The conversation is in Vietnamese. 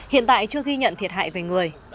hiện tại chưa ghi nhận thiệt hại về người